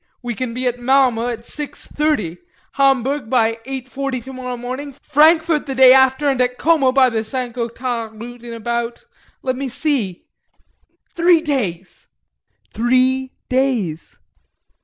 We can be at Malmö at 6.30, Hamburg at 8.40 tomorrow morning, Frankfort the day after and at Como by the St. Gothard route in about let me see, three days. Three days!